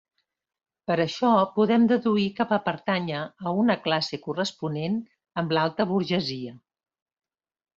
Per això podem deduir que va pertànyer a una classe corresponent amb l'alta burgesia.